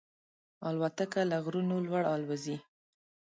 الوتکه له غرونو لوړ الوزي.